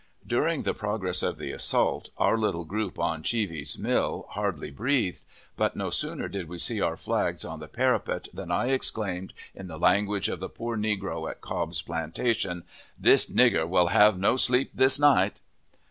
During the progress of the assault, our little group on Cheeves's mill hardly breathed; but no sooner did we see our flags on the parapet than I exclaimed, in the language of the poor negro at Cobb's plantation, "This nigger will have no sleep this night!"